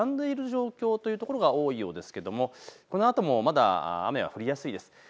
やんでいる状況というところが多いようですがこのあともまだ雨が降りやすいです。